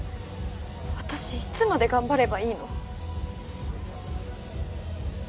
私いつまで頑張ればいいの。